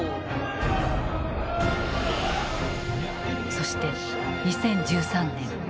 そして２０１３年。